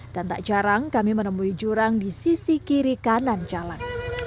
dan tak jarang kami menemui jurang di sisi kiri kanan jalan